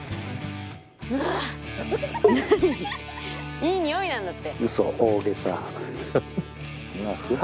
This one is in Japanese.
いいにおいなんだって。